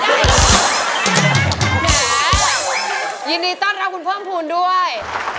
แหมยินดีต้อนรับคุณเพิ่มภูมิด้วย